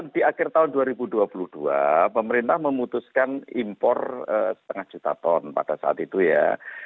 di akhir tahun dua ribu dua puluh dua pemerintah memutuskan impor setengah juta ton pada saat itu ya